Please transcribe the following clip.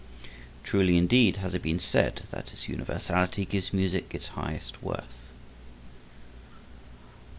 Truly indeed has it been said that its universality gives music its high worth.